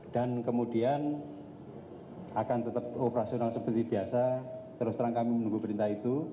dan kemudian akan tetap operasional seperti biasa terus terang kami menunggu perintah itu